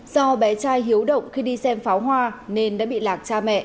do bé trai hiếu động khi đi xem pháo hoa nên đã bị lạc cha mẹ